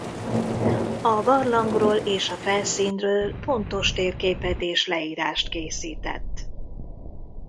A barlangról és a felszínről pontos térképet és leírást készített.